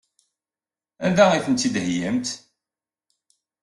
Anda ay ten-id-theyyamt?